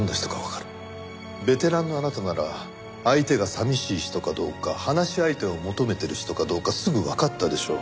ベテランのあなたなら相手が寂しい人かどうか話し相手を求めてる人かどうかすぐわかったでしょう。